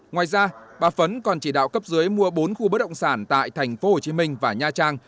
ngoài ra bà phấn còn chỉ đạo cấp dưới mua bốn khu bất động sản tại tp hcm và nha trang